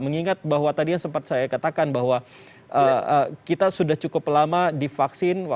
mengingat bahwa tadi yang sempat saya katakan bahwa kita sudah cukup lama divaksin